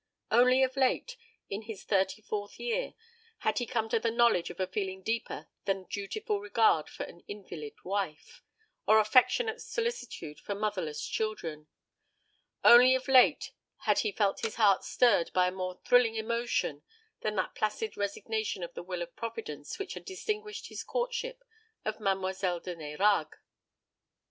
Only of late, in his thirty fourth year, had he come to the knowledge of a feeling deeper than dutiful regard for an invalid wife, or affectionate solicitude for motherless children; only of late had he felt his heart stirred by a more thrilling emotion than that placid resignation to the will of Providence which had distinguished his courtship of Mademoiselle de Nérague.